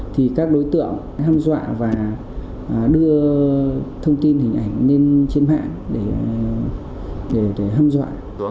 thì các đối tượng hâm dọa và đưa thông tin hình ảnh lên trên mạng để hâm dọa